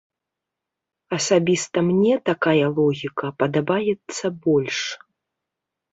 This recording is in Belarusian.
Асабіста мне такая логіка падабаецца больш.